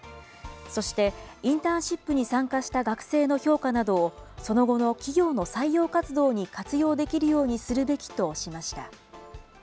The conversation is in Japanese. そして、インターンシップに参加した学生の評価などをその後の企業の採用活動に活用できるようにするべきとしました。